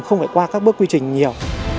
không phải qua các bước quy trình nhiều